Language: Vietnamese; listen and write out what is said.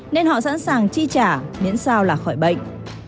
nên họ sẵn sàng chi trả miễn sao là khỏi bệnh